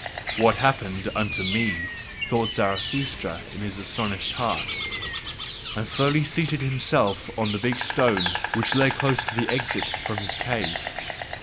"What happeneth unto me?" thought Zarathustra in his astonished heart, and slowly seated himself on the big stone which lay close to the exit from his cave.